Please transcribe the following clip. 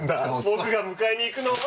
僕が迎えに行くのを。